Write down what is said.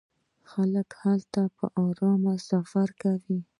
خلک هلته په ارامۍ سفر کوي.